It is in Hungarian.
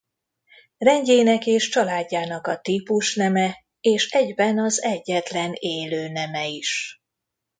Rendjének és családjának a típusneme és egyben az egyetlen élő neme is.